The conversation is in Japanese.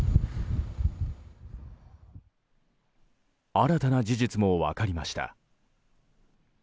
新たな事実も分かりました。